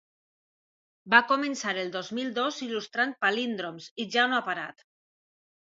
Va començar el dos mil dos il·lustrant palíndroms i ja no ha parat.